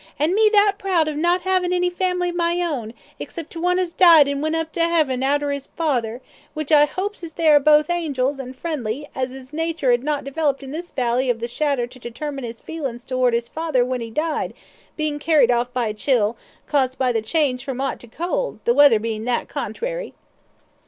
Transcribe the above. "An' me that proud of 'im, not 'avin' any family of my own, except one as died and went up to 'eaving arter 'is father, which I 'opes as they both are now angels, an' friendly, as 'is nature 'ad not developed in this valley of the shadder to determine 'is feelin's towards is father when 'e died, bein' carried off by a chill, caused by the change from 'ot to cold, the weather bein' that contrary."